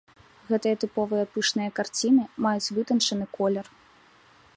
Гэтыя тыповыя пышныя карціны маюць вытанчаны колер.